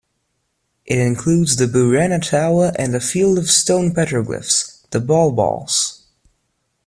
It includes the Burana Tower and a field of stone petroglyphs, the "bal-bals".